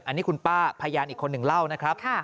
อันนี้คุณป้าพยานอีกคนหนึ่งเล่านะครับ